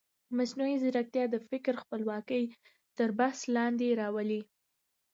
مصنوعي ځیرکتیا د فکر خپلواکي تر بحث لاندې راولي.